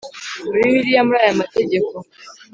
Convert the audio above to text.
muri Bibiliya mur aya mategeko